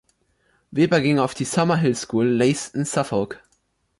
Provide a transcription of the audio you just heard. Weber ging auf die Summerhill School, Leiston, Suffolk.